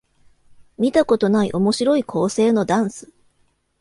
見たことない面白い構成のダンス